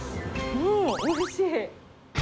うーん、おいしい。